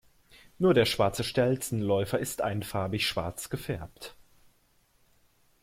Nur der Schwarze Stelzenläufer ist einfarbig schwarz gefärbt.